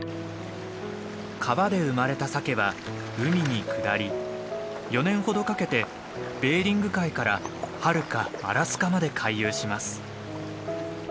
川で生まれたサケは海に下り４年ほどかけてベーリング海からはるかアラスカまで回遊します。